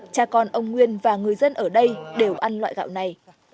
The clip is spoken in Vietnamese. cha con ông nguyên và người dân ở đây đều ăn loại gạo này